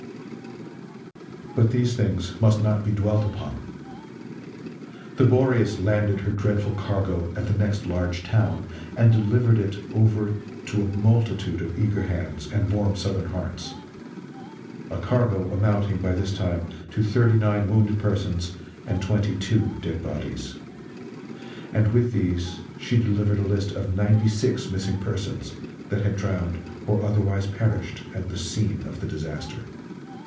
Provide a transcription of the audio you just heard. But these things must not be dwelt upon. The Boreas landed her dreadful cargo at the next large town and delivered it over to a multitude of eager hands and warm southern hearts a cargo amounting by this time to 39 wounded persons and 22 dead bodies. And with these she delivered a list of 96 missing persons that had drowned or otherwise perished at the scene of the disaster.